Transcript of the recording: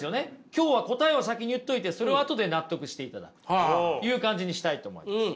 今日は答えを先に言っといてそれを後で納得していただくという感じにしたいと思います。